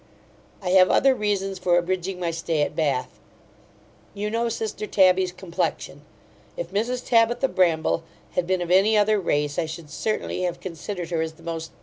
I have other reasons for abridging my stay at Bath You know sister Tabby's complexion If Mrs Tabitha Bramble had been of any other race, I should certainly have considered her as the most